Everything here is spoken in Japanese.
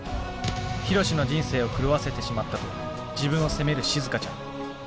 ヒロシの人生を狂わせてしまったと自分を責めるしずかちゃん。